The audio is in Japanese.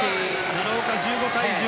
奈良岡、１５対１０。